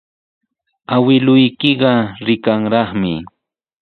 Awkilluykiqa rikanraqmi.